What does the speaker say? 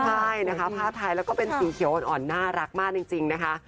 ใช่นะคะผ้าไทยแล้วก็เป็นสีเขียวอ่อนน่ารักมากจริงนะคะ